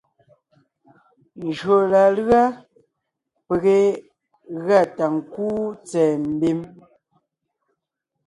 Njÿó la lʉ́a peg yé gʉa ta ńkúu tsɛ̀ɛ mbím,